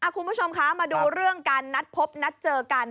คุณผู้ชมคะมาดูเรื่องการนัดพบนัดเจอกัน